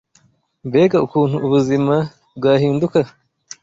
Mbega ukuntu ubuzima bwahinduka